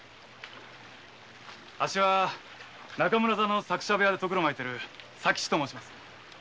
あっしは中村座の作者部屋でとぐろ巻いてる左吉と申します。